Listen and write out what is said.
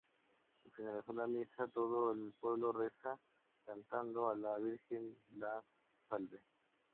Al finalizar la misa, todo el pueblo reza, cantando, a la virgen La Salve.